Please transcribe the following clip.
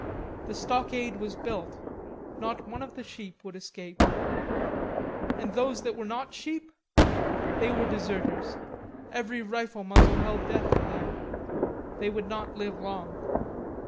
The stockade was built; not one of the sheep would escape. And those that were not sheep? They were deserters; every rifle muzzle held death for them; they would not live long.